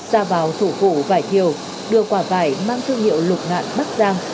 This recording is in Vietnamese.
ra vào thủ vụ vải thiều đưa quả vải mang thương hiệu lục ngạn bắc giang